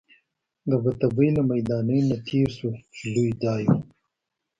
د بټۍ له میدانۍ نه تېر شوو، چې لوی ځای وو.